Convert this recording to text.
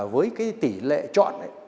với cái tỉ lệ chọn ấy